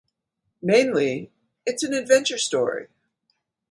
Mainly it's an adventure story...